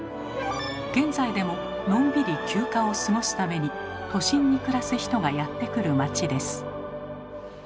現在でものんびり休暇を過ごすために都心に暮らす人がやって来る町です。